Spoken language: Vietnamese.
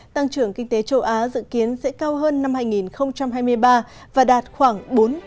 tăng trưởng kinh tế châu á dự kiến sẽ cao hơn năm hai nghìn hai mươi ba và đạt khoảng bốn